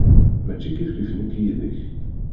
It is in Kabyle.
Mačči kifkif nekk yid-k.